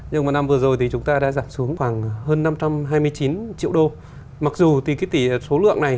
nhưng mà năm vừa rồi thì chúng ta đã giảm xuống khoảng hơn năm trăm hai mươi chín triệu đô mặc dù thì cái tỷ số lượng này